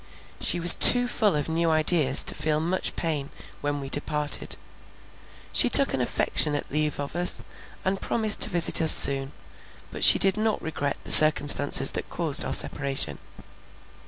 She was too full of new ideas to feel much pain when we departed; she took an affectionate leave of us, and promised to visit us soon; but she did not regret the circumstances that caused our separation.